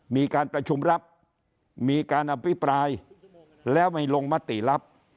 มีการประชุมรับมีการอภิปรายแล้วไม่ลงมติรับ